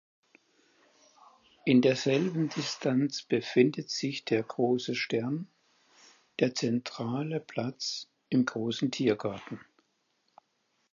In derselben Distanz befindet sich der Große Stern, der zentrale Platz im Großen Tiergarten.